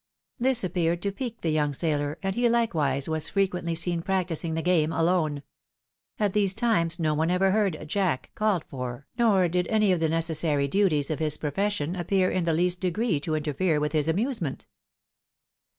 This appeared to pique the yormg sailor, and he likewise was frequently seen practising the game alone. At these times no one ever heard " Jack " called for, nor did any of the necessary duties of his profession appear in the least degree to interfere with his amusement.